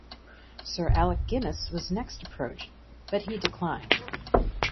Sir Alec Guinness was next approached but he declined.